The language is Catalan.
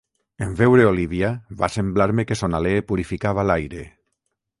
En veure Olívia, va semblar-me que son alè purificava l’aire;